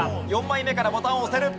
４枚目からボタンを押せる。